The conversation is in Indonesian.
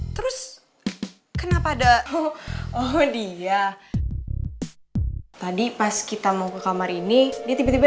terus kenapa ada oh oh dia tadi pas kita mau ke kamar ini dia tiba tiba